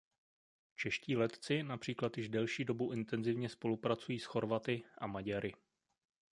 Čeští letci například již delší dobu intenzivně spolupracují s Chorvaty a Maďary.